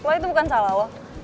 menurut lo itu bukan salah loh